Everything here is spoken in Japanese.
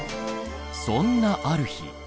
そんなある日。